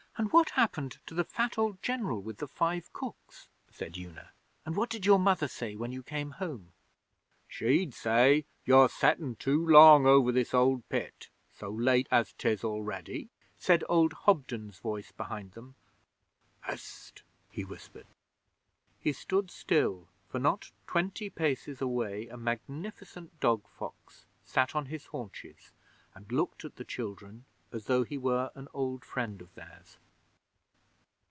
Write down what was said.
'And what happened to the fat old General with the five cooks?' said Una. 'And what did your Mother say when you came home? ...' 'She'd say you're settin' too long over this old pit, so late as 'tis already,' said old Hobden's voice behind them. 'Hst!' he whispered. He stood still, for not twenty paces away a magnificent dog fox sat on his haunches and looked at the children as though he were an old friend of theirs.